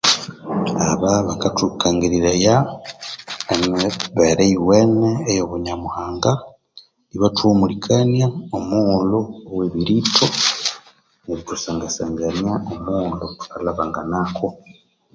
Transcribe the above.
Abandu bakatukangiriraya emibere eyuwene okunyamuhanga ibatuhumulikania omughulhu owe birito neritusanganiasangania omughulhu thuli omwabirito